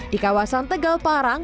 di kawasan tegal parang